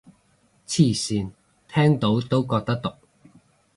黐線，聽到都覺得毒